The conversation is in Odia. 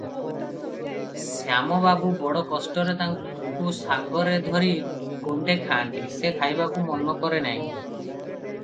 ଶ୍ୟାମ ବାବୁ ବଡ଼ କଷ୍ଟରେ ତାକୁ ସାଙ୍ଗରେ ଧରି ଗଣ୍ଡେ ଖାଆନ୍ତି, ସେ ଖାଇବାକୁ ମନକରେ ନାହିଁ ।